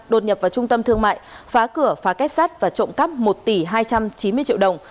đột nhập vào trung tâm thương mại phá cửa phá kết sát và trộm cắp một tỷ hai trăm chín mươi triệu đồng